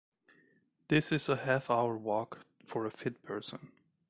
This is a half-hour walk for a fit person.